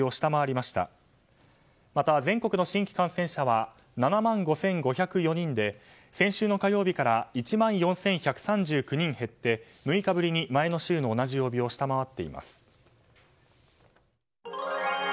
また全国の新規感染者は７万５５０４人で先週の火曜日から１万４１３９人減って６日ぶりに前の週の同じ曜日を下回っています。